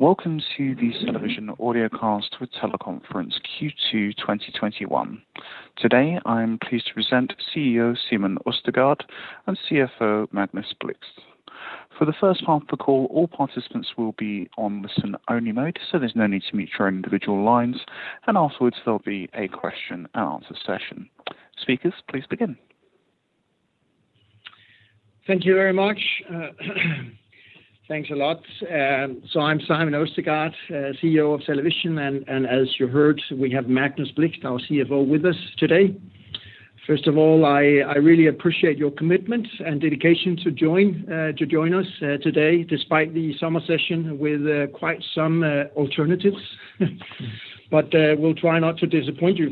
Welcome to the CellaVision audiocast with teleconference Q2 2021. Today, I am pleased to present CEO Simon Østergaard and CFO Magnus Blixt. For the first half of the call, all participants will be on listen-only mode, so there's no need to mute your individual lines, and afterwards, there'll be a question and answer session. Speakers, please begin. Thank you very much. Thanks a lot. I'm Simon Østergaard, CEO of CellaVision, as you heard, we have Magnus Blixt, our CFO, with us today. First of all, I really appreciate your commitment and dedication to join us today, despite the summer session with quite some alternatives. We'll try not to disappoint you.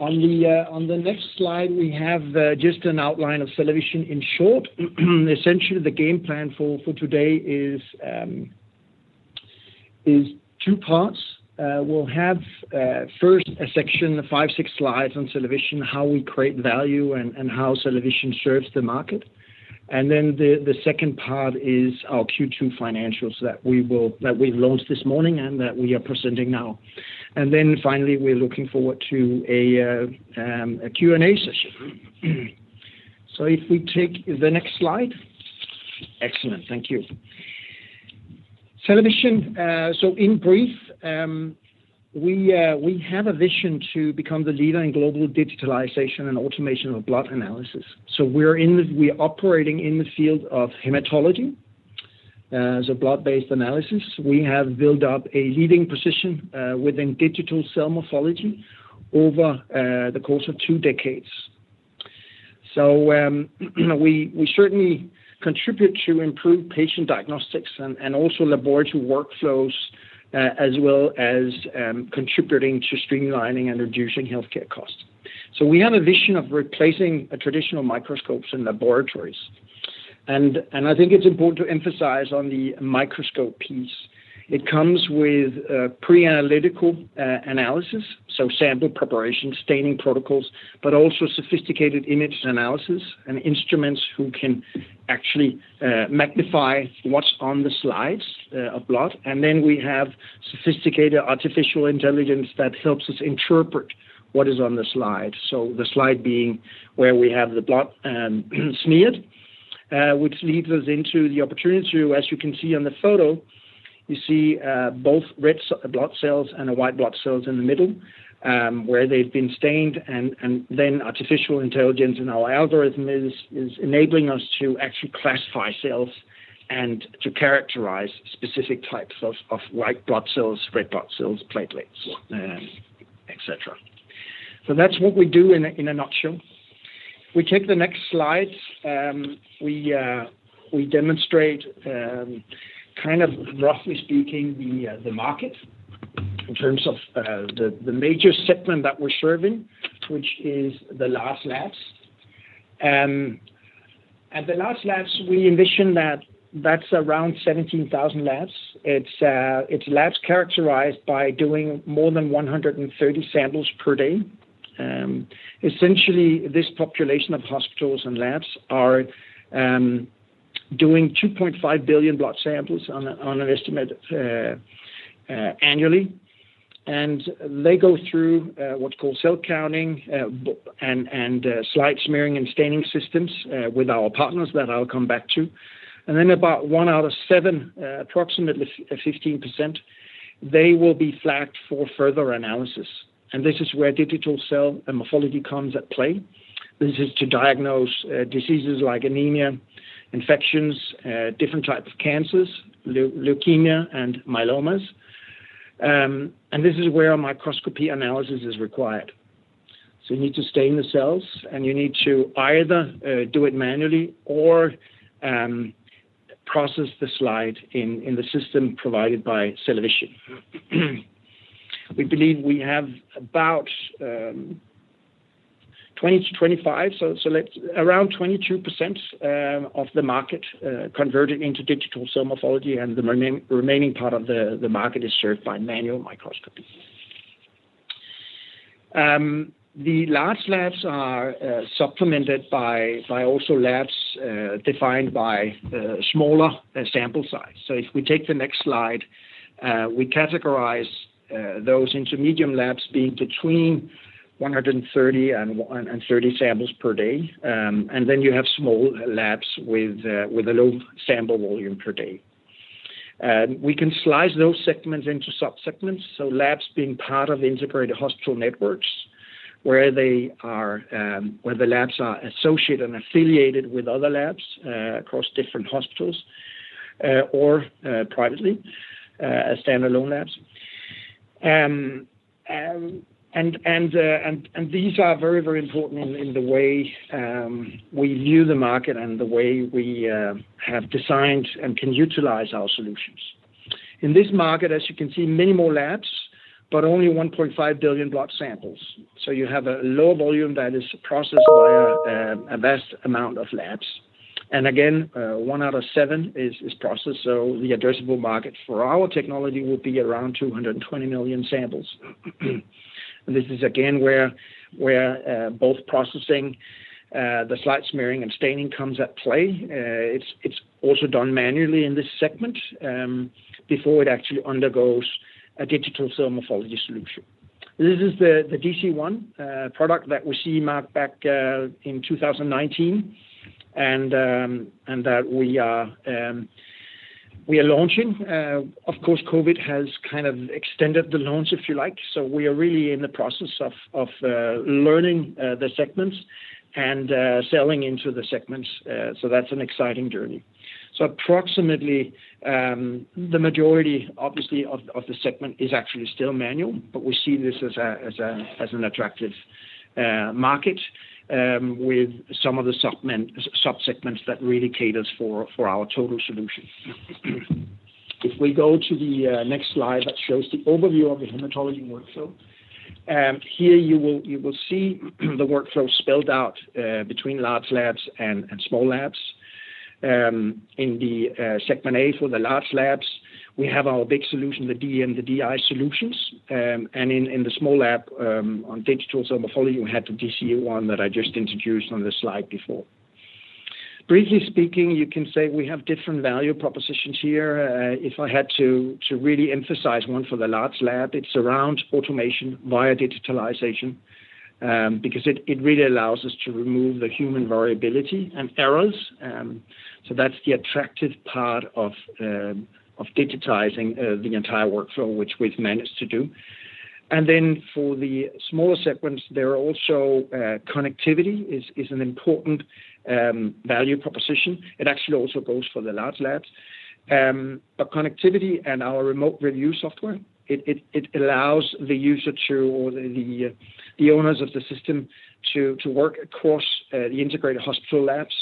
On the next slide, we have just an outline of CellaVision in short. Essentially, the game plan for today is two parts. We'll have first a section of five, six slides on CellaVision, how we create value, and how CellaVision serves the market. The second part is our Q2 financials that we've launched this morning and that we are presenting now. Finally, we're looking forward to a Q&A session. If we take the next slide. Excellent. Thank you. CellaVision, in brief, we have a vision to become the leader in global digitalization and automation of blood analysis. We're operating in the field of hematology, blood-based analysis. We have built up a leading position within digital cell morphology over the course of two decades. We certainly contribute to improved patient diagnostics and also laboratory workflows, as well as contributing to streamlining and reducing healthcare costs. We have a vision of replacing traditional microscopes in laboratories, and I think it's important to emphasize on the microscope piece. It comes with pre-analytical analysis, so sample preparation, staining protocols, but also sophisticated image analysis, and instruments who can actually magnify what's on the slides of blood. Then we have sophisticated artificial intelligence that helps us interpret what is on the slide. The slide being where we have the blood smeared, which leads us into the opportunity to, as you can see on the photo, you see both red blood cells and the white blood cells in the middle, where they've been stained, and then artificial intelligence and our algorithm is enabling us to actually classify cells and to characterize specific types of white blood cells, red blood cells, platelets, et cetera. That's what we do in a nutshell. We take the next slide. We demonstrate kind of roughly speaking, the market in terms of the major segment that we're serving, which is the large labs. At the large labs, we envision that that's around 17,000 labs. It's labs characterized by doing more than 130 samples per day. Essentially, this population of hospitals and labs are doing 2.5 billion blood samples on an estimate annually, and they go through what's called cell counting and slide smearing and staining systems with our partners that I'll come back to. About one out of seven, approximately 15%, they will be flagged for further analysis, and this is where digital cell morphology comes at play. This is to diagnose diseases like anemia, infections, different types of cancers, leukemia, and myelomas. This is where microscopy analysis is required. You need to stain the cells, and you need to either do it manually or process the slide in the system provided by CellaVision. We believe we have about 20%-25%, so around 22% of the market converted into digital cell morphology, and the remaining part of the market is served by manual microscopy. The large labs are supplemented by also labs defined by smaller sample size. If we take the next slide, we categorize those into medium labs being between 130 and 30 samples per day. You have small labs with a low sample volume per day. We can slice those segments into sub-segments, so labs being part of integrated hospital networks, where the labs are associated and affiliated with other labs across different hospitals or privately as standalone labs. These are very important in the way we view the market and the way we have designed and can utilize our solutions. In this market, as you can see, many more labs, but only 1.5 billion blood samples. You have a low volume that is processed via a vast amount of labs. Again, one out of seven is processed, so the addressable market for our technology will be around 220 million samples. This is again where both processing, the slide smearing and staining comes at play. It's also done manually in this segment before it actually undergoes a digital cell morphology solution. This is the DC-1 product that we earmarked back in 2019 and that we are launching. Of course, COVID has kind of extended the launch, if you like, we are really in the process of learning the segments and selling into the segments. That's an exciting journey. Approximately, the majority, obviously, of the segment is actually still manual, we see this as an attractive market with some of the sub-segments that really caters for our total solution. If we go to the next slide, that shows the overview of the hematology workflow. Here you will see the workflow spelled out between large labs and small labs. In the segment A, for the large labs, we have our big solution, the DM, the DI solutions. In the small lab, on digital cell morphology, we have the DC-1 that I just introduced on the slide before. Briefly speaking, you can say we have different value propositions here. If I had to really emphasize one for the large lab, it's around automation via digitalization, because it really allows us to remove the human variability and errors. That's the attractive part of digitizing the entire workflow, which we've managed to do. For the smaller segments, there are also connectivity is an important value proposition. It actually also goes for the large labs. Connectivity and our Remote Review Software, it allows the user or the owners of the system to work across the integrated hospital labs.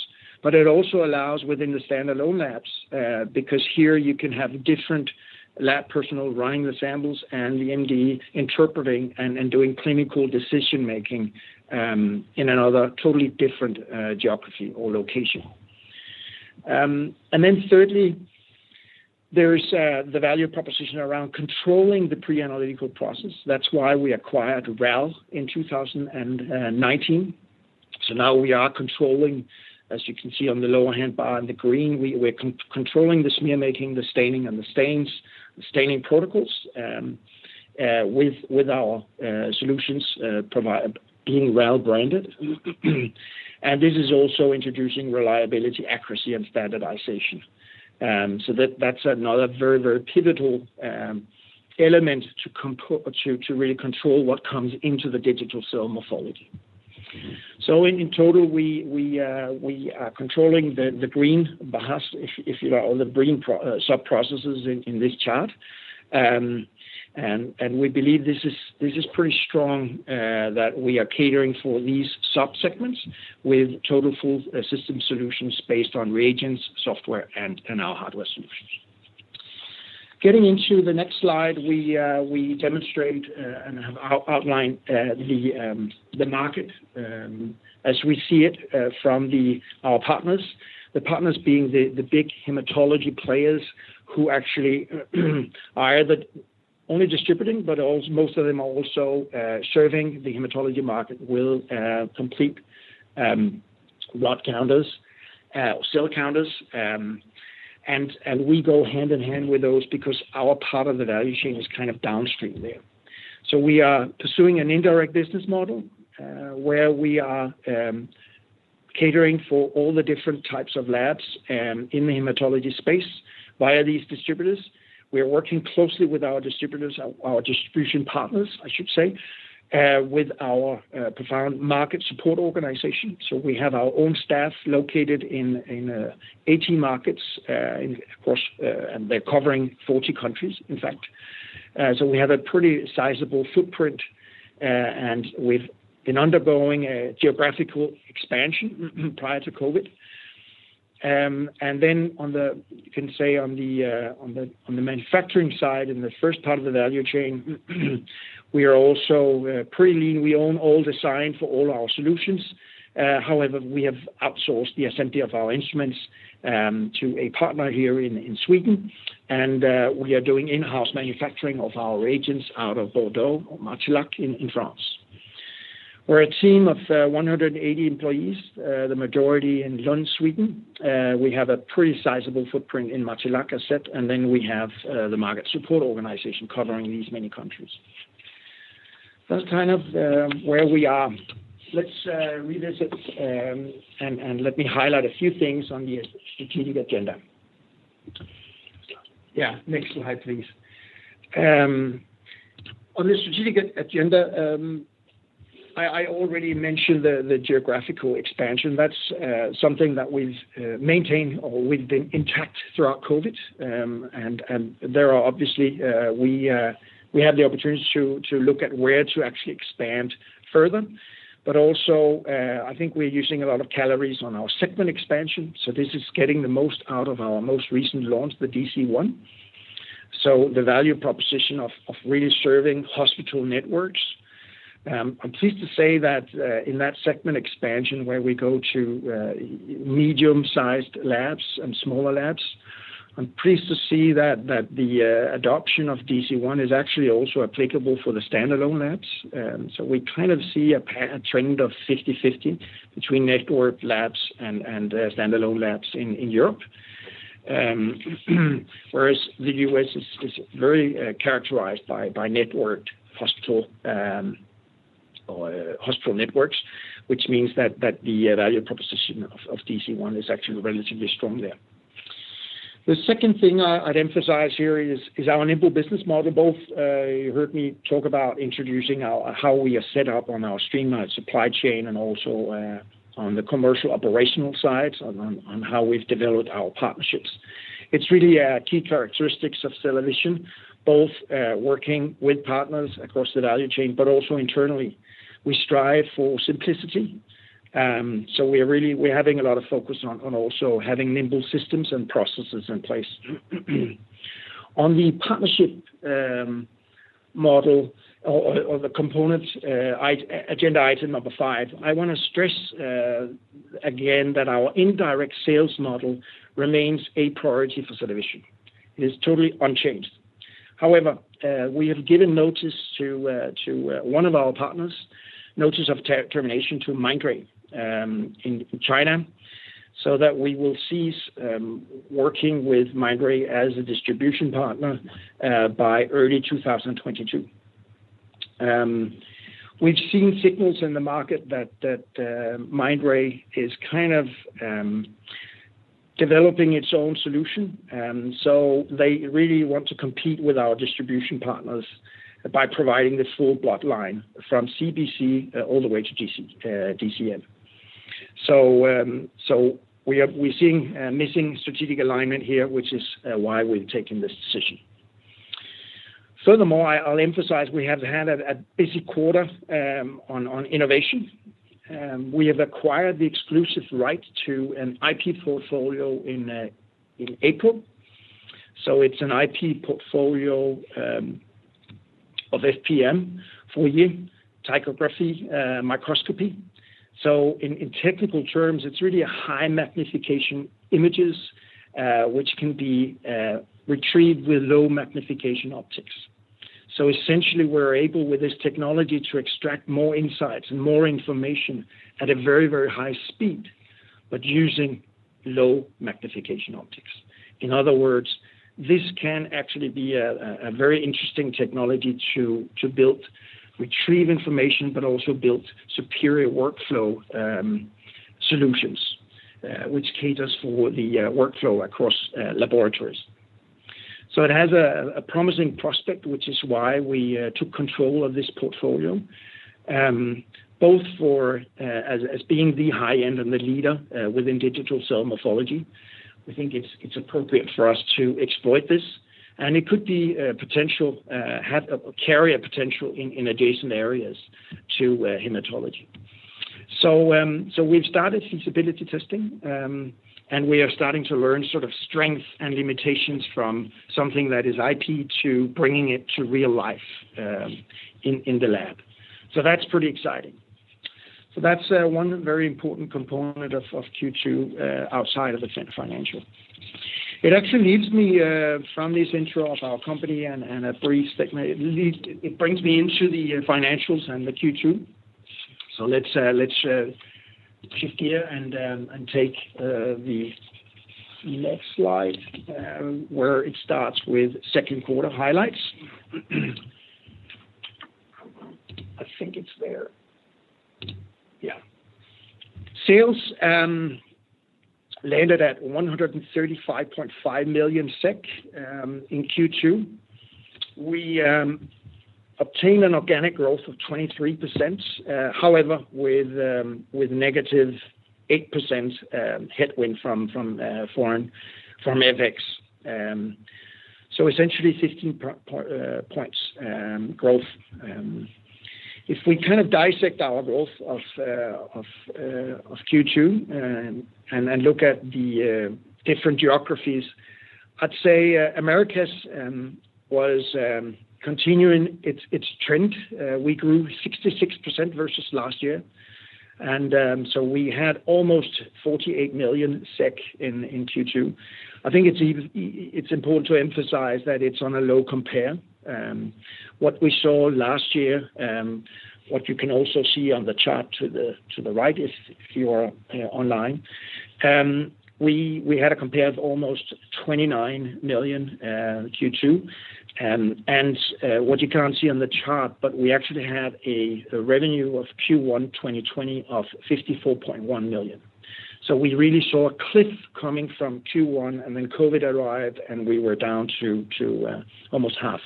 It also allows within the standalone labs, because here you can have different lab personnel running the samples and the MD interpreting and doing clinical decision-making in another totally different geography or location. Thirdly, there's the value proposition around controlling the pre-analytical process. That's why we acquired RAL in 2019. Now we are controlling, as you can see on the lower hand bar in the green, we're controlling the smear making, the staining, and the staining protocols with our solutions being RAL branded. This is also introducing reliability, accuracy, and standardization. That's another very pivotal element to really control what comes into the digital cell morphology. In total, we are controlling the green bars, if you like, or the green sub-processes in this chart. We believe this is pretty strong that we are catering for these sub-segments with total full system solutions based on reagents, software, and our hardware solutions. Getting into the next slide, we demonstrate and have outlined the market as we see it from our partners, the partners being the big hematology players who actually are only distributing, but most of them are also serving the hematology market with complete blood counters, cell counters. We go hand in hand with those because our part of the value chain is kind of downstream there. We are pursuing an indirect business model, where we are catering for all the different types of labs in the hematology space via these distributors. We are working closely with our distributors, our distribution partners, I should say, with our profound market support organization. We have our own staff located in 18 markets, and they're covering 40 countries, in fact. We've been undergoing a geographical expansion prior to COVID. You can say on the manufacturing side, in the first part of the value chain, we are also pretty lean. We own all design for all our solutions. However, we have outsourced the assembly of our instruments to a partner here in Sweden. We are doing in-house manufacturing of our reagents out of Bordeaux or Martillac in France. We're a team of 180 employees, the majority in Lund, Sweden. We have a pretty sizable footprint in Martillac, I said, and then we have the market support organization covering these many countries. That's kind of where we are. Let's revisit and let me highlight a few things on the strategic agenda. Next slide, please. On the strategic agenda, I already mentioned the geographical expansion. That's something that we've maintained or we've been intact throughout COVID. There are, obviously, we had the opportunity to look at where to actually expand further. Also, I think we're using a lot of calories on our segment expansion. This is getting the most out of our most recent launch, the DC-1, the value proposition of really serving hospital networks. I'm pleased to say that in that segment expansion where we go to medium-sized labs and smaller labs, I'm pleased to see that the adoption of DC-1 is actually also applicable for the standalone labs. We kind of see a trend of 50/50 between network labs and standalone labs in Europe. Whereas the U.S. is very characterized by networked hospital or hospital networks, which means that the value proposition of DC-1 is actually relatively strong there. The second thing I'd emphasize here is our nimble business model. Both you heard me talk about introducing how we are set up on our streamlined supply chain and also on the commercial operational side on how we've developed our partnerships. It's really a key characteristic of CellaVision, both working with partners across the value chain, but also internally. We strive for simplicity. We're having a lot of focus on also having nimble systems and processes in place. On the partnership model or the components, agenda item number five, I want to stress again that our indirect sales model remains a priority for CellaVision. It is totally unchanged. We have given notice to one of our partners, notice of termination to Mindray in China, so that we will cease working with Mindray as a distribution partner by early 2022. We've seen signals in the market that Mindray is kind of developing its own solution. They really want to compete with our distribution partners by providing the full blood line from CBC all the way to DCM. We're seeing missing strategic alignment here, which is why we've taken this decision. I'll emphasize we have had a busy quarter on innovation. We have acquired the exclusive right to an IP portfolio in April. It's an IP portfolio of FPM, ptychographic microscopy. In technical terms, it's really high magnification images, which can be retrieved with low magnification optics. Essentially, we're able with this technology to extract more insights and more information at a very high speed, but using low magnification optics. In other words, this can actually be a very interesting technology to build, retrieve information, but also build superior workflow solutions, which caters for the workflow across laboratories. It has a promising prospect, which is why we took control of this portfolio, both for as being the high end and the leader within digital cell morphology. We think it's appropriate for us to exploit this, and it could carry a potential in adjacent areas to hematology. We've started feasibility testing, and we are starting to learn sort of strength and limitations from something that is IP to bringing it to real life in the lab. That's pretty exciting. That's one very important component of Q2 outside of the financial. It actually leads me from this intro of our company and a brief statement. It brings me into the financials and the Q2. Let's shift gear and take the next slide, where it starts with second quarter highlights. I think it's there. Yeah. Sales landed at 135.5 million SEK in Q2. We obtained an organic growth of 23%, however, with negative 8% headwind from FX. Essentially 15 points growth. If we kind of dissect our growth of Q2 and look at the different geographies, I'd say Americas was continuing its trend. We grew 66% versus last year, and so we had almost 48 million SEK in Q2. I think it's important to emphasize that it's on a low compare. What we saw last year, what you can also see on the chart to the right if you are online, we had a compare of almost 29 million Q2. What you can't see on the chart, but we actually had a revenue of Q1 2020 of 54.1 million. We really saw a cliff coming from Q1, and then COVID arrived, and we were down to almost half.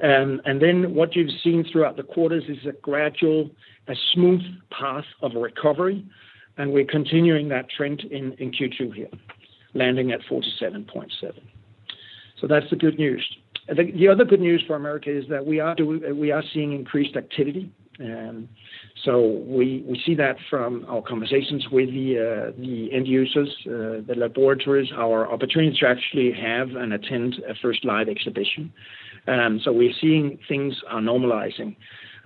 Then what you've seen throughout the quarters is a gradual, a smooth path of recovery, and we're continuing that trend in Q2 here, landing at 47.7. That's the good news. I think the other good news for America is that we are seeing increased activity. We see that from our conversations with the end users, the laboratories, our opportunity to actually have and attend a first live exhibition. We're seeing things are normalizing.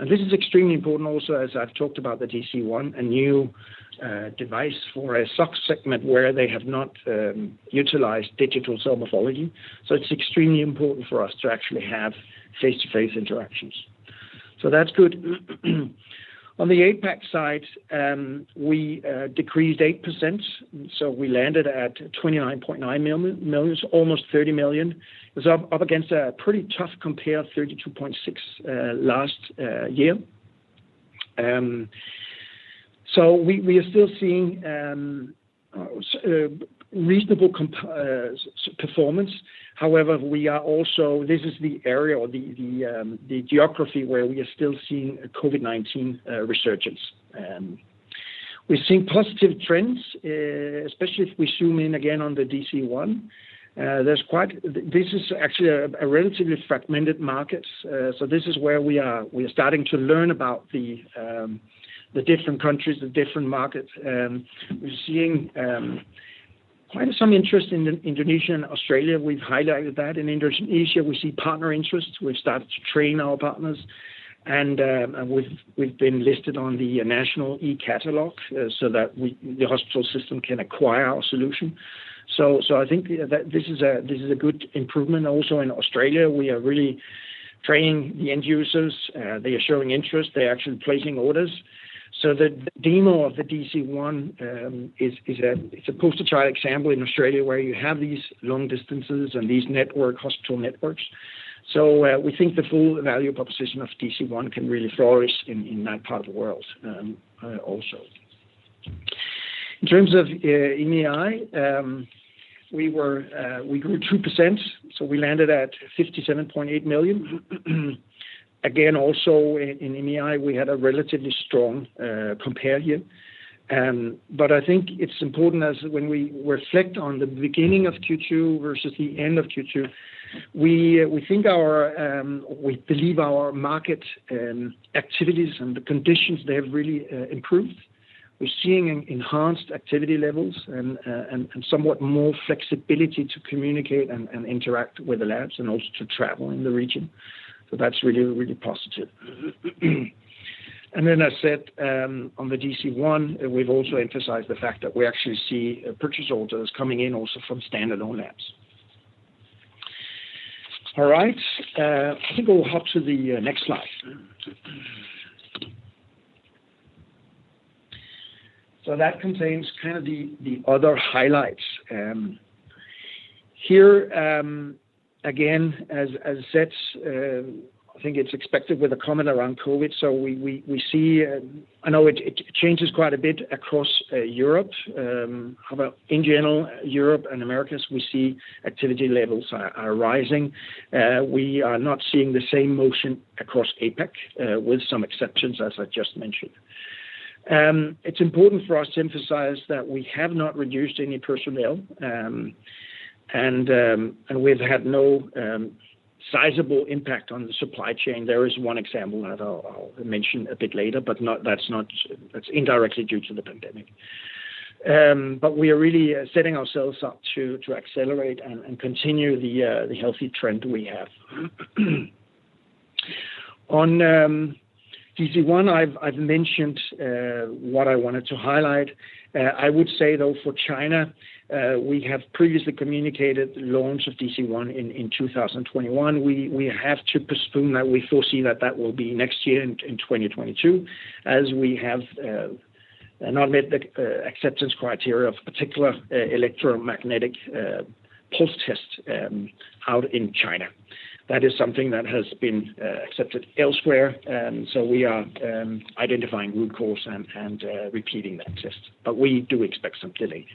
This is extremely important also, as I've talked about the DC-1, a new device for a SOC segment where they have not utilized digital cell morphology. It's extremely important for us to actually have face-to-face interactions. That's good. On the APAC side, we decreased 8%, so we landed at 29.9 million, almost 30 million. It's up against a pretty tough compare, 32.6 million last year. We are still seeing reasonable performance. However, this is the area or the geography where we are still seeing a COVID-19 resurgence. We're seeing positive trends, especially if we zoom in again on the DC-1. This is actually a relatively fragmented market, so this is where we are starting to learn about the different countries, the different markets. We're seeing quite some interest in Indonesia and Australia. We've highlighted that in Indonesia, we see partner interest. We've started to train our partners, and we've been listed on the national e-catalog so that the hospital system can acquire our solution. I think that this is a good improvement. In Australia, we are really training the end users. They are showing interest. They're actually placing orders. The demo of the DC-1 is a poster child example in Australia, where you have these long distances and these hospital networks. We think the full value proposition of DC-1 can really flourish in that part of the world also. In terms of EMEAI, we grew 2%. We landed at 57.8 million. Also in EMEAI, we had a relatively strong compare year. I think it's important, as when we reflect on the beginning of Q2 versus the end of Q2, we believe our market activities and the conditions there have really improved. We're seeing enhanced activity levels and somewhat more flexibility to communicate and interact with the labs, and also to travel in the region. That's really positive. Then as said, on the DC-1, we've also emphasized the fact that we actually see purchase orders coming in also from stand-alone labs. All right. I think we'll hop to the next slide. That contains kind of the other highlights. Here, again, as I said, I think it's expected with a comment around COVID. We see, I know it changes quite a bit across Europe. In general, Europe and Americas, we see activity levels are rising. We are not seeing the same motion across APAC, with some exceptions, as I just mentioned. It's important for us to emphasize that we have not reduced any personnel, and we've had no sizable impact on the supply chain. There is one example that I'll mention a bit later, but that's indirectly due to the pandemic. We are really setting ourselves up to accelerate and continue the healthy trend we have. On DC-1, I've mentioned what I wanted to highlight. I would say, though, for China, we have previously communicated launch of DC-1 in 2021. We have to postpone that. We foresee that that will be next year in 2022, as we have not met the acceptance criteria of a particular electromagnetic compatibility test out in China. That is something that has been accepted elsewhere, so we are identifying root cause and repeating that test, but we do expect some delay.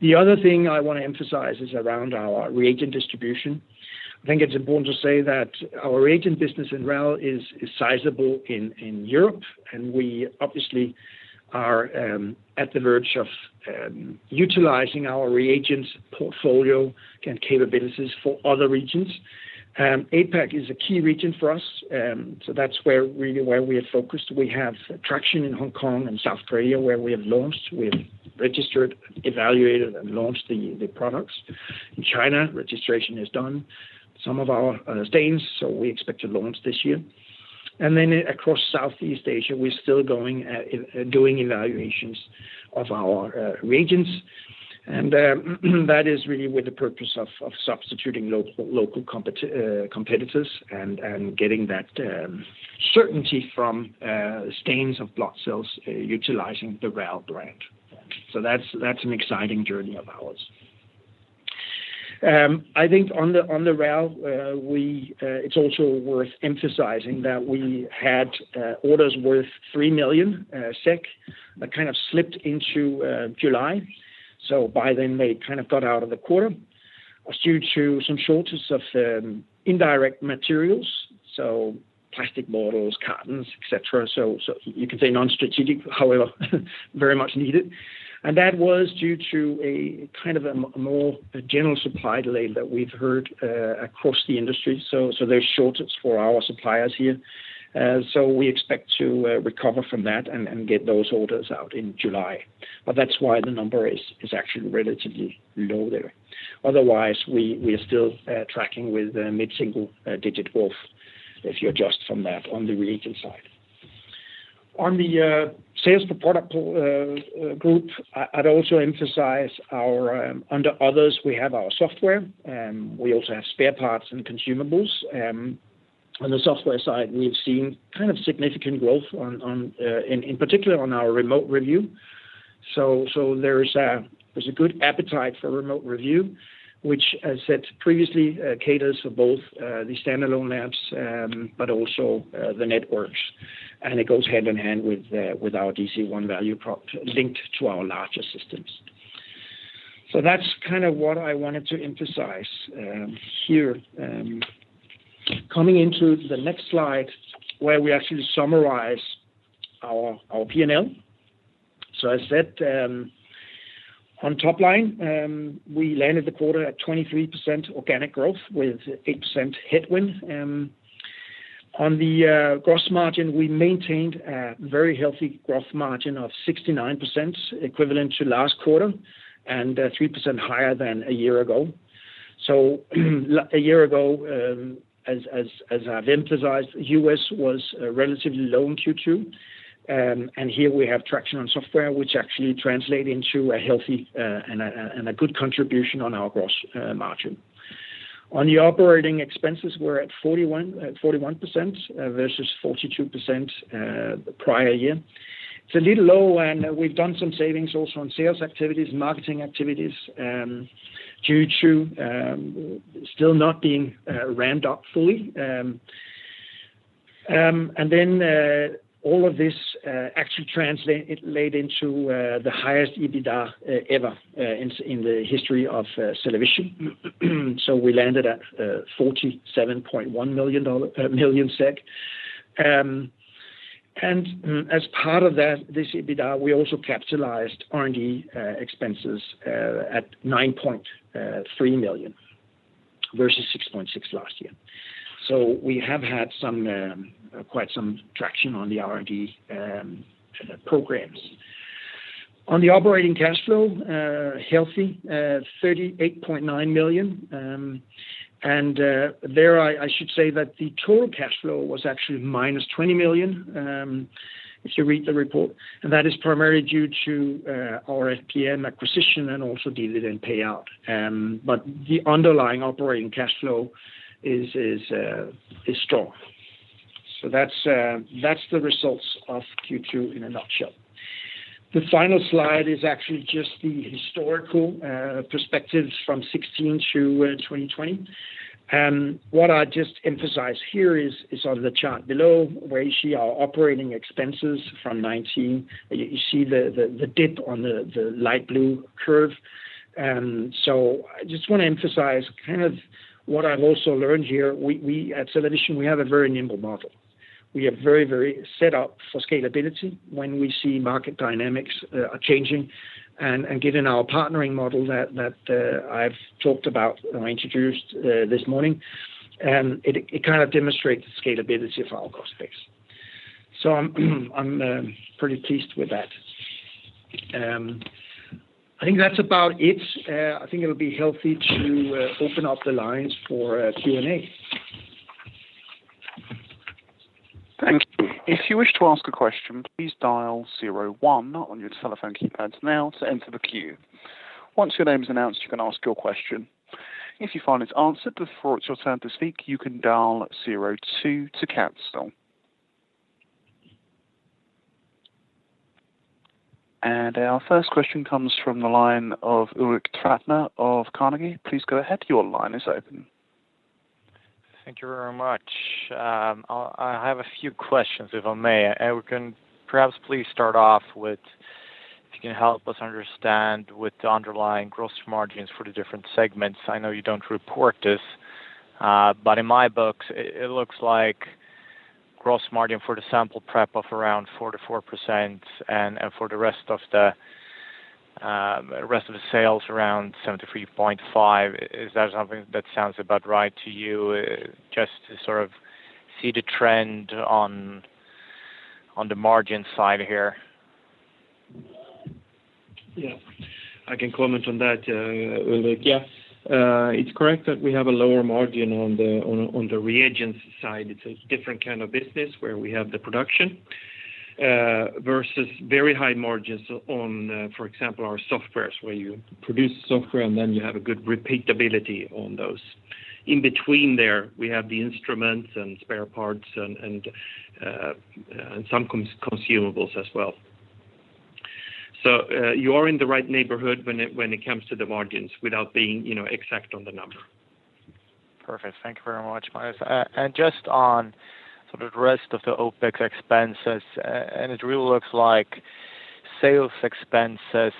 The other thing I want to emphasize is around our reagent distribution. I think it's important to say that our reagent business in RAL is sizable in Europe, and we obviously are at the verge of utilizing our reagents portfolio and capabilities for other regions. APAC is a key region for us, so that's really where we are focused. We have traction in Hong Kong and South Korea, where we have launched. We've registered, evaluated, and launched the products. In China, registration is done, some of our stains, so we expect to launch this year. Across Southeast Asia, we're still doing evaluations of our reagents, and that is really with the purpose of substituting local competitors and getting that certainty from stains of blood cells utilizing the RAL brand. That's an exciting journey of ours. I think on the RAL, it's also worth emphasizing that we had orders worth 3 million SEK that kind of slipped into July, so by then they kind of got out of the quarter. It was due to some shortage of indirect materials, so plastic bottles, cartons, et cetera. You could say non-strategic, however, very much needed. That was due to a kind of a more general supply delay that we've heard across the industry, so there's shortage for our suppliers here. We expect to recover from that and get those orders out in July. That's why the number is actually relatively low there. Otherwise, we are still tracking with mid-single-digit growth, if you adjust from that on the reagent side. On the sales per product group, I'd also emphasize under others, we have our software. We also have spare parts and consumables. On the software side, we've seen kind of significant growth, in particular on our Remote Review. There's a good appetite for Remote Review, which I said previously caters for both the standalone labs, but also the networks, and it goes hand-in-hand with our DC-1 value linked to our larger systems. That's kind of what I wanted to emphasize here. Coming into the next slide, where we actually summarize our P&L. As I said, on top line, we landed the quarter at 23% organic growth with 8% headwind. On the gross margin, we maintained a very healthy gross margin of 69%, equivalent to last quarter, and 3% higher than a year ago. A year ago, as I've emphasized, U.S. was relatively low in Q2. Here we have traction on software, which actually translate into a healthy and a good contribution on our gross margin. On the operating expenses, we're at 41% versus 42% the prior year. It's a little low, and we've done some savings also on sales activities and marketing activities due to still not being ramped up fully. All of this actually translated into the highest EBITDA ever in the history of CellaVision. We landed at 47.1 million SEK. As part of this EBITDA, we also capitalized R&D expenses at 9.3 million versus 6.6 million last year. We have had quite some traction on the R&D programs. On the operating cash flow, healthy, 38.9 million. There I should say that the total cash flow was actually -20 million, if you read the report, and that is primarily due to our FPM acquisition and also dividend payout. The underlying operating cash flow is strong. That's the results of Q2 in a nutshell. The final slide is actually just the historical perspectives from 2016 to 2020. What I just emphasize here is on the chart below, where you see our operating expenses from 2019. You see the dip on the light blue curve. I just want to emphasize kind of what I've also learned here. We at CellaVision have a very nimble model. We are very set up for scalability when we see market dynamics are changing, and given our partnering model that I've talked about or introduced this morning, it kind of demonstrates the scalability of our cost base. I'm pretty pleased with that. I think that's about it. I think it'll be healthy to open up the lines for Q&A. Our first question comes from the line of Ulrik Trattner of Carnegie. Please go ahead. Your line is open. Thank you very much. I have a few questions, if I may. We can perhaps please start off with, if you can help us understand with the underlying gross margins for the different segments. I know you don't report this, but in my books, it looks like gross margin for the sample prep of around 44% and for the rest of the sales around 73.5%. Is that something that sounds about right to you? Just to sort of see the trend on the margin side here. Yeah, I can comment on that, Ulrik. Yeah. It's correct that we have a lower margin on the reagents side. It's a different kind of business where we have the production, versus very high margins on, for example, our softwares where you produce software and then you have a good repeatability on those. In between there, we have the instruments and spare parts and some consumables as well. You are in the right neighborhood when it comes to the margins without being exact on the number. Perfect. Thank you very much, Magnus. Just on sort of rest of the OpEx expenses, and it really looks like sales expenses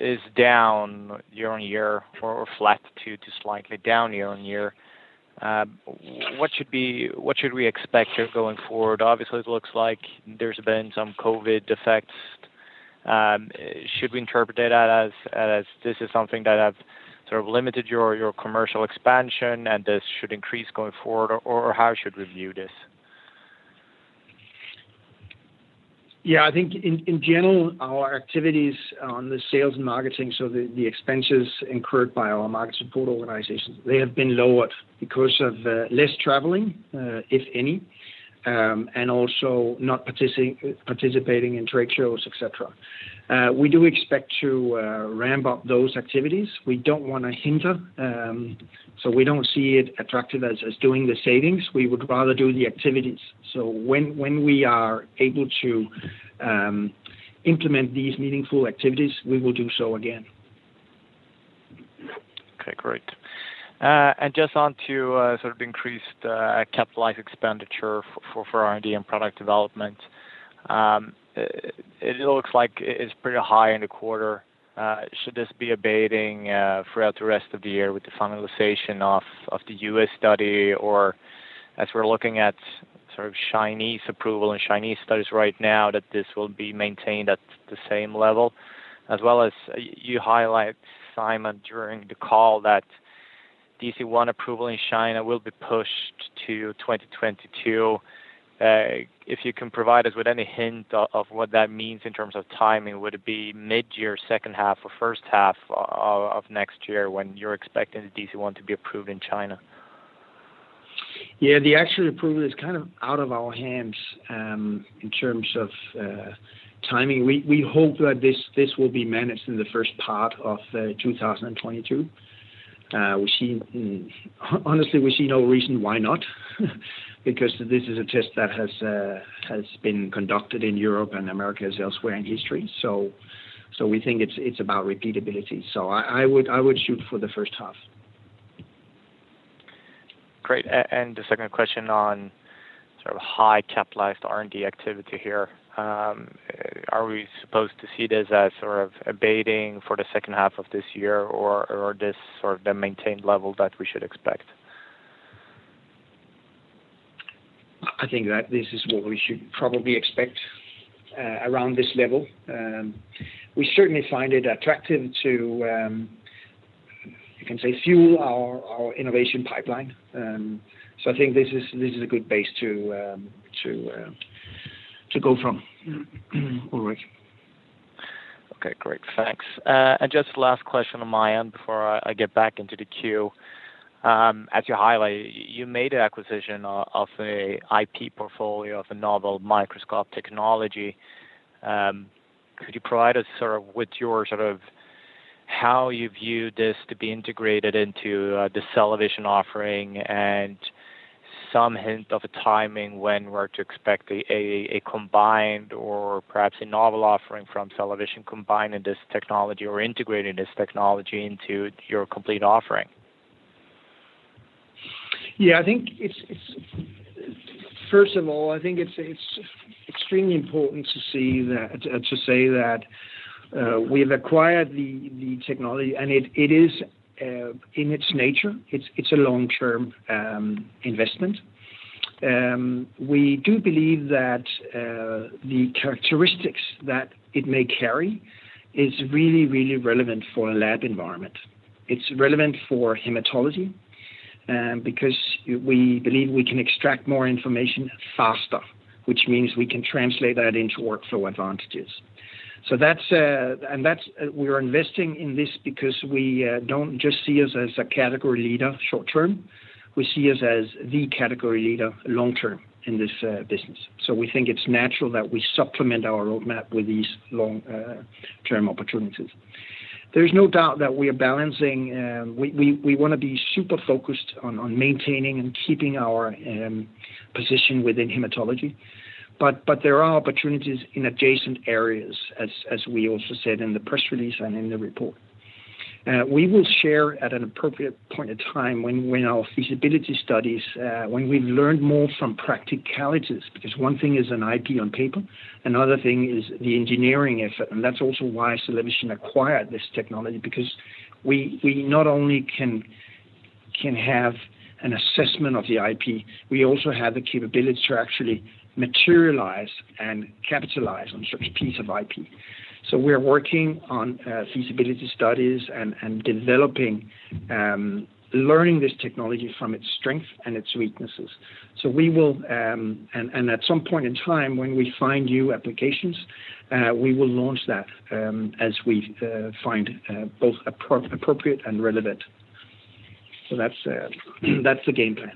is down year-over-year or flat to just slightly down year-over-year. What should we expect here going forward? Obviously, it looks like there's been some COVID effects. Should we interpret that as this is something that has sort of limited your commercial expansion, and this should increase going forward, or how should we view this? Yeah. I think in general, our activities on the sales and marketing, so the expenses incurred by our market support organizations, they have been lowered because of less traveling, if any, and also not participating in trade shows, et cetera. We do expect to ramp up those activities. We don't want to hinder, so we don't see it attractive as doing the savings. We would rather do the activities. When we are able to implement these meaningful activities, we will do so again. Okay, great. Just onto sort of increased capitalized expenditure for R&D and product development. It looks like it is pretty high in the quarter. Should this be abating throughout the rest of the year with the finalization of the U.S. study? As we're looking at sort of Chinese approval and Chinese studies right now, that this will be maintained at the same level? As well as you highlight, Simon, during the call that DC-1 approval in China will be pushed to 2022. If you can provide us with any hint of what that means in terms of timing, would it be midyear, second half, or first half of next year when you're expecting the DC-1 to be approved in China? Yeah. The actual approval is kind of out of our hands in terms of timing. We hope that this will be managed in the first part of 2022. Honestly, we see no reason why not, because this is a test that has been conducted in Europe and Americas, elsewhere in history. We think it's about repeatability. I would shoot for the first half. Great. The second question on sort of high capitalized R&D activity here, are we supposed to see this as sort of abating for the second half of this year, or this sort of the maintained level that we should expect? I think that this is what we should probably expect around this level. We certainly find it attractive to, you can say, fuel our innovation pipeline. I think this is a good base to go from, Ulrik. Okay, great. Thanks. Just last question on my end before I get back into the queue. As you highlight, you made an acquisition of an IP portfolio of a novel microscope technology. Could you provide us sort of with how you view this to be integrated into the CellaVision offering, and some hint of a timing when we are to expect a combined or perhaps a novel offering from CellaVision combining this technology or integrating this technology into your complete offering? Yeah. First of all, I think it's extremely important to say that we've acquired the technology, and in its nature, it's a long-term investment. We do believe that the characteristics that it may carry is really, really relevant for a lab environment. It's relevant for hematology, because we believe we can extract more information faster, which means we can translate that into workflow advantages. We're investing in this because we don't just see us as a category leader short term, we see us as the category leader long term in this business. We think it's natural that we supplement our roadmap with these long-term opportunities. There is no doubt that we are balancing. We want to be super focused on maintaining and keeping our position within hematology, but there are opportunities in adjacent areas, as we also said in the press release and in the report. We will share at an appropriate point in time when our feasibility studies, when we've learned more from practicalities, because one thing is an IP on paper, another thing is the engineering effort. That's also why CellaVision acquired this technology, because we not only can have an assessment of the IP, we also have the capability to actually materialize and capitalize on such piece of IP. We're working on feasibility studies and developing, learning this technology from its strength and its weaknesses. At some point in time when we find new applications, we will launch that as we find both appropriate and relevant. That's the game plan.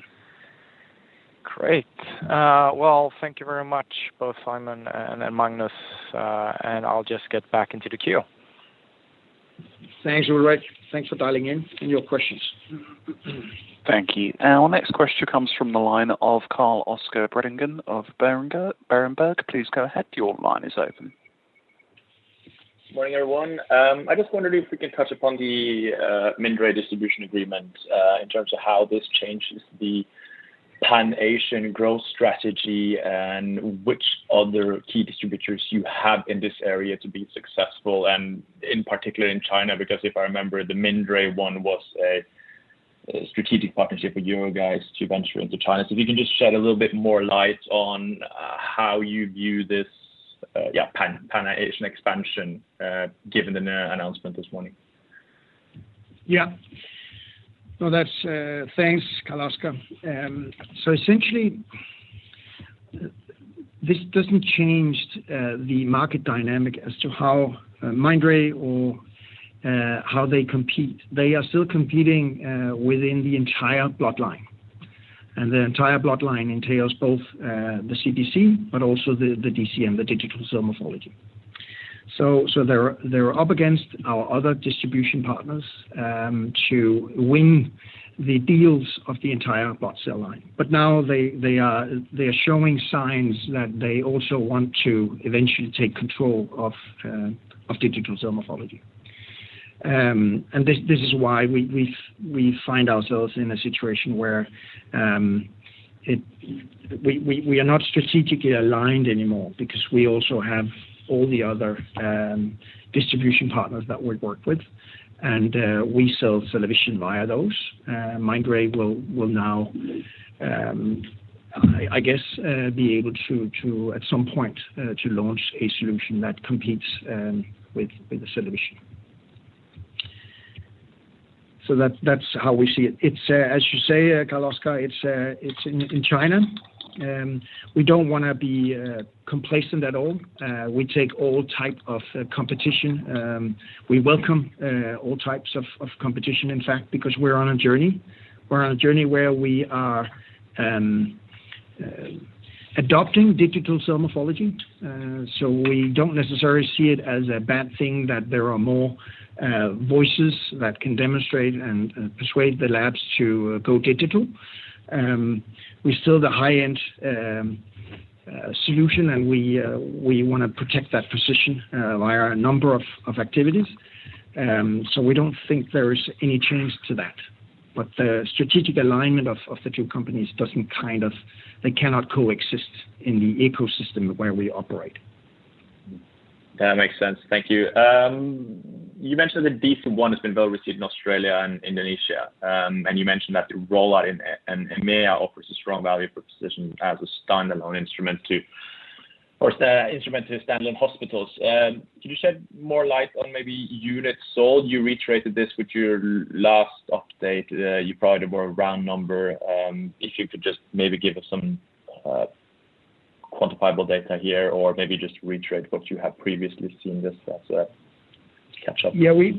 Great. Well, thank you very much, both Simon and Magnus. I'll just get back into the queue. Thanks, Ulrik. Thanks for dialing in and your questions. Thank you. Our next question comes from the line of Carl-Oscar Bredengen of Berenberg. Please go ahead. Your line is open. Morning, everyone. I just wondered if we could touch upon the Mindray distribution agreement, in terms of how this changes the Pan-Asian growth strategy and which other key distributors you have in this area to be successful, and in particular in China, because if I remember, the Mindray one was a strategic partnership with you guys to venture into China. If you can just shed a little bit more light on how you view this Pan-Asian expansion, given the announcement this morning. Yeah. Thanks, Carl-Oscar. Essentially, this doesn't change the market dynamic as to how Mindray or how they compete. They are still competing within the entire blood line. The entire blood line entails both the CBC but also the DC and the digital cell morphology. They're up against our other distribution partners to win the deals of the entire blood cell line. Now they are showing signs that they also want to eventually take control of digital cell morphology. This is why we find ourselves in a situation where we are not strategically aligned anymore because we also have all the other distribution partners that we work with, and we sell CellaVision via those. Mindray will now, I guess, be able to, at some point, launch a solution that competes with the CellaVision. That's how we see it. As you say, Carl-Oscar, it's in China. We don't want to be complacent at all. We take all type of competition. We welcome all types of competition, in fact, because we're on a journey. We're on a journey where we are adopting digital cell morphology. We don't necessarily see it as a bad thing that there are more voices that can demonstrate and persuade the labs to go digital. We're still the high-end solution, and we want to protect that position via a number of activities. We don't think there is any change to that. The strategic alignment of the two companies. They cannot coexist in the ecosystem where we operate. That makes sense. Thank you. You mentioned the DC-1 has been well-received in Australia and Indonesia, and you mentioned that the rollout in EMEA offers a strong value proposition as a standalone instrument to standalone hospitals. Could you shed more light on maybe units sold? You retraced this with your last update. You provided a round number. If you could just maybe give us some quantifiable data here, or maybe just retread what you have previously seen just as a catch-up. Yeah. We're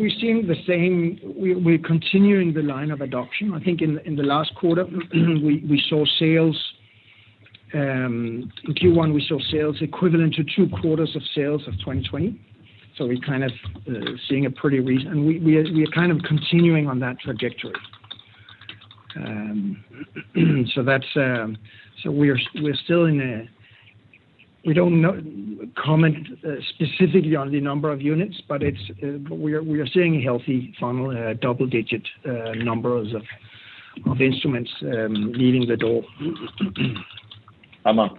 continuing the line of adoption. I think in the last quarter, we saw sales in Q1 equivalent to two quarters of sales of 2020. We are kind of continuing on that trajectory. We don't comment specifically on the number of units, but we are seeing a healthy funnel, double-digit numbers of instruments leaving the door. A month.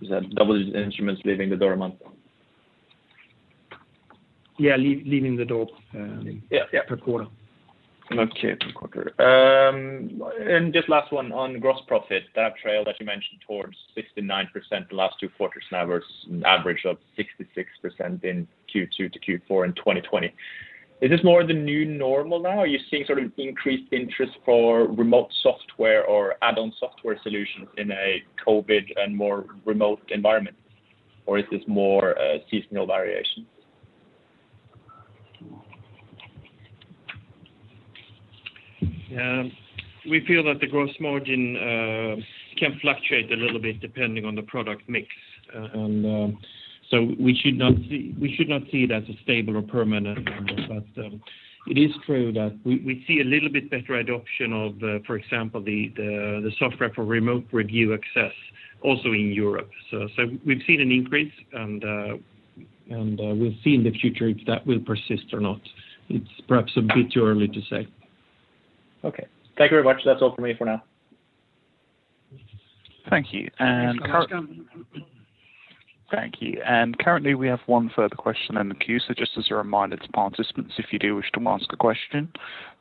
Is that double instruments leaving the door a month? Yeah. Yeah per quarter. Okay. Per quarter. Just last one on gross profit. That trail that you mentioned towards 69% the last two quarters now versus an average of 66% in Q2 to Q4 in 2020. Is this more the new normal now? Are you seeing sort of increased interest for remote software or add-on software solutions in a COVID and more remote environment? Is this more a seasonal variation? We feel that the gross margin can fluctuate a little bit depending on the product mix. We should not see it as a stable or permanent number. It is true that we see a little bit better adoption of, for example, the software for remote review access also in Europe. We've seen an increase, and we'll see in the future if that will persist or not. It's perhaps a bit too early to say. Okay. Thank you very much. That's all from me for now. Thank you. Thanks, Carl-Oscar. Thank you. Currently, we have one further question in the queue. Just as a reminder to participants, if you do wish to ask a question,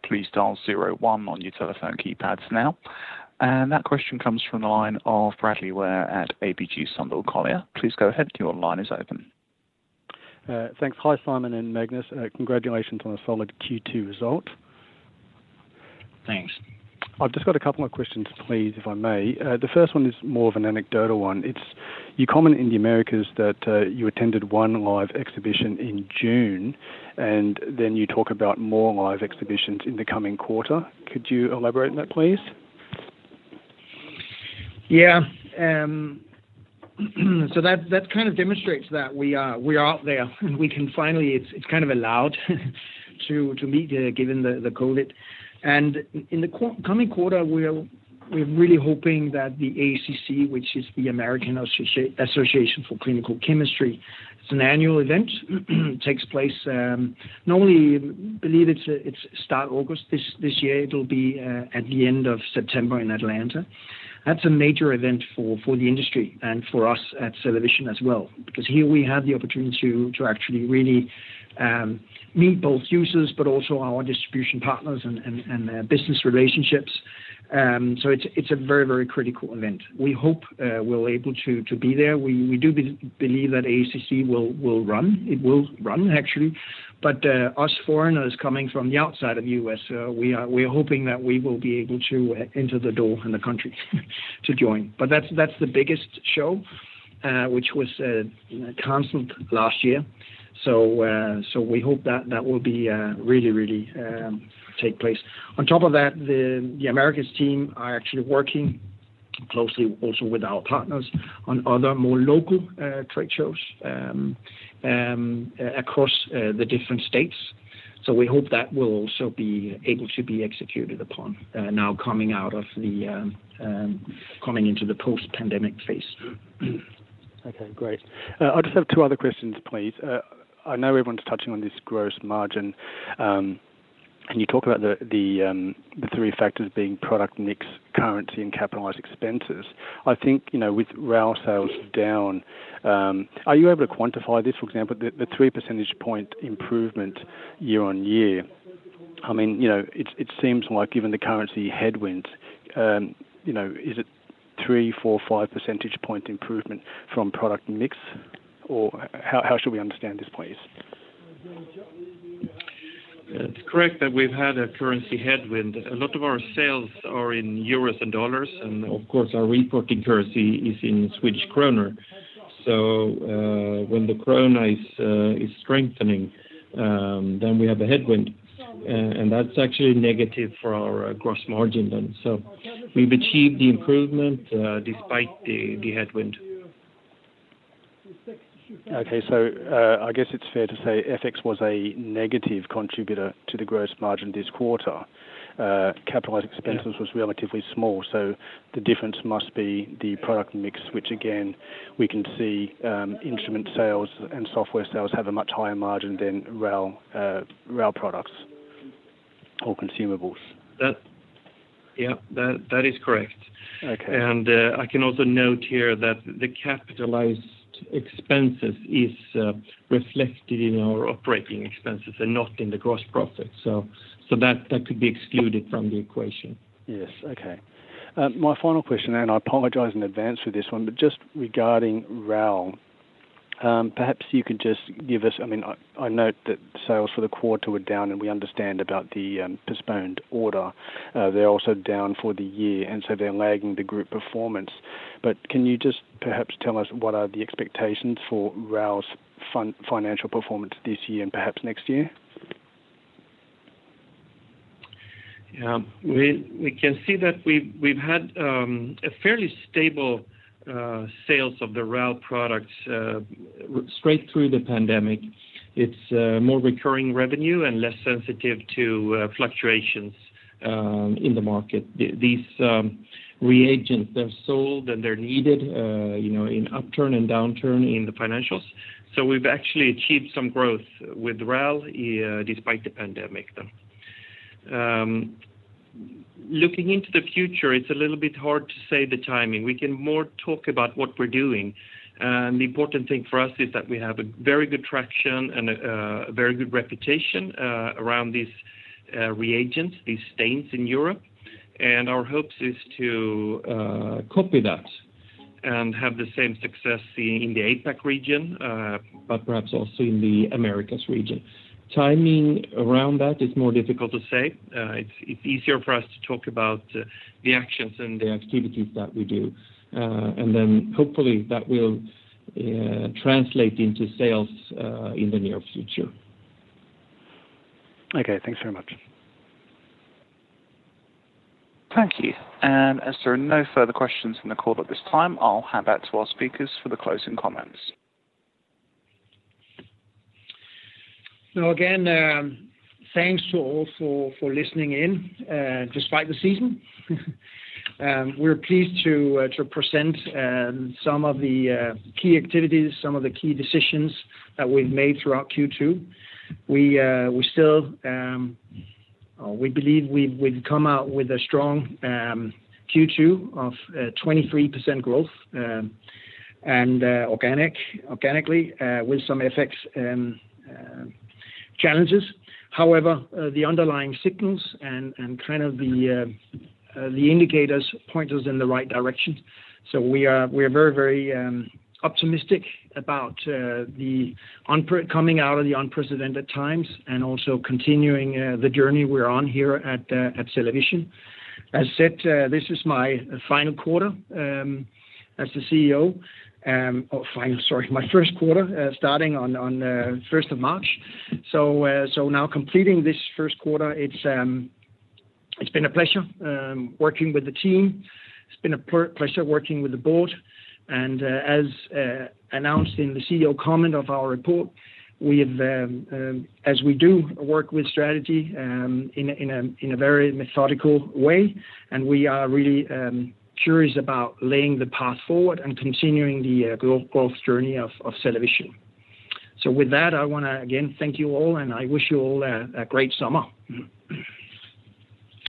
please dial zero one on your telephone keypads now. That question comes from the line of Bradley Ware at ABG Sundal Collier. Please go ahead. Your line is open. Thanks. Hi, Simon and Magnus. Congratulations on a solid Q2 result. Thanks. I've just got a couple of questions, please, if I may. The first one is more of an anecdotal one. You comment in the Americas that you attended one live exhibition in June, and then you talk about more live exhibitions in the coming quarter. Could you elaborate on that, please? That kind of demonstrates that we are out there. It's kind of allowed to meet, given the COVID. In the coming quarter, we're really hoping that the AACC, which is the American Association for Clinical Chemistry, it's an annual event, takes place normally, believe it's start August. This year, it'll be at the end of September in Atlanta. That's a major event for the industry and for us at CellaVision as well, because here we have the opportunity to actually really meet both users, but also our distribution partners and their business relationships. It's a very critical event. We hope we're able to be there. We do believe that AACC will run. It will run, actually. Us foreigners coming from the outside of U.S., we are hoping that we will be able to enter the door in the country to join. That's the biggest show, which was canceled last year. We hope that will really take place. On top of that, the Americas team are actually working closely also with our partners on other more local trade shows across the different states. We hope that will also be able to be executed upon now coming into the post-pandemic phase. Okay, great. I just have two other questions, please. I know everyone's touching on this gross margin. You talk about the three factors being product mix, currency, and capitalized expenses. I think, with RAL sales down, are you able to quantify this, for example, the 3% point improvement year-on-year? It seems like given the currency headwind, is it three, four, 5% point improvement from product mix, or how should we understand this, please? It's correct that we've had a currency headwind. A lot of our sales are in euros and dollars, and of course, our reporting currency is in Swedish krona. When the krona is strengthening, then we have a headwind. That's actually negative for our gross margin then. We've achieved the improvement despite the headwind. Okay. I guess it's fair to say FX was a negative contributor to the gross margin this quarter. Yeah was relatively small, the difference must be the product mix, which again, we can see instrument sales and software sales have a much higher margin than RAL products or consumables. Yeah, that is correct. Okay. I can also note here that the capitalized expenses is reflected in our operating expenses and not in the gross profit. That could be excluded from the equation. Yes. Okay. My final question, I apologize in advance for this one, just regarding RAL. I note that sales for the quarter were down. We understand about the postponed order. They're also down for the year. They're lagging the group performance. Can you just perhaps tell us what are the expectations for RAL's financial performance this year and perhaps next year? Yeah. We can see that we've had a fairly stable sales of the RAL products straight through the pandemic. It's more recurring revenue and less sensitive to fluctuations in the market. These reagents, they're sold, and they're needed in upturn and downturn in the financials. We've actually achieved some growth with RAL despite the pandemic then. Looking into the future, it's a little bit hard to say the timing. We can more talk about what we're doing. The important thing for us is that we have a very good traction and a very good reputation around these reagents, these stains in Europe. Our hopes is to copy that and have the same success in the APAC region, but perhaps also in the Americas region. Timing around that is more difficult to say. It's easier for us to talk about the actions and the activities that we do. Hopefully, that will translate into sales in the near future. Okay. Thanks very much. Thank you. As there are no further questions in the call at this time, I'll hand back to our speakers for the closing comments. Again, thanks to all for listening in, despite the season. We're pleased to present some of the key activities, some of the key decisions that we've made throughout Q2. We believe we've come out with a strong Q2 of 23% growth, and organically, with some FX challenges. However, the underlying signals and the indicators point us in the right direction. We are very optimistic about coming out of the unprecedented times and also continuing the journey we're on here at CellaVision. As said, this is my final quarter as the CEO, my first quarter, starting on the 1st of March. Now completing this first quarter, it's been a pleasure working with the team. It's been a pleasure working with the board, and as announced in the CEO comment of our report, as we do work with strategy in a very methodical way, and we are really curious about laying the path forward and continuing the growth journey of CellaVision. With that, I want to again thank you all, and I wish you all a great summer.